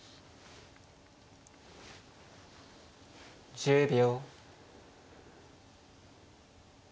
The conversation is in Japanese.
１０秒。